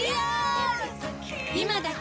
今だけ！